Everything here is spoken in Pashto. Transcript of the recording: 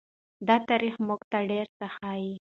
دا تاریخ موږ ته ډېر څه ښيي.